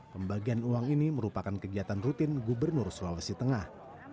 pembagian uang ini merupakan kegiatan rutin gubernur sulawesi tengah